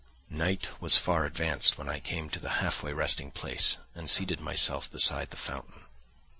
Night was far advanced when I came to the halfway resting place and seated myself beside the fountain.